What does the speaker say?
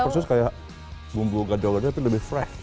ini khusus kayak bumbu gado gado tapi lebih fresh